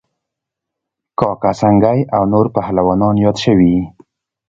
کاکه سنگی او نور پهلوانان یاد شوي